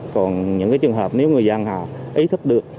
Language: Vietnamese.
còn những cái trường hợp nếu người dân họ ý thức được